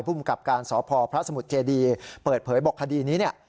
ภูมิกับการสพพระสมุทรเจดีเปิดเผยบอกคดีนี้เนี่ย